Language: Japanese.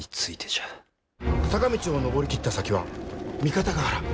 坂道を上り切った先は三方ヶ原。